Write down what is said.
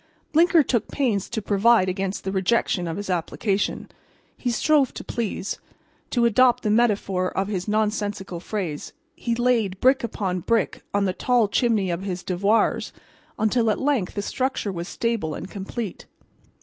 Blinker took pains to provide against the rejection of his application. He strove to please. To adopt the metaphor of his nonsensical phrase, he laid brick upon brick on the tall chimney of his devoirs until, at length, the structure was stable and complete.